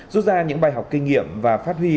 rút ra những bài học kinh nghiệm và phát huy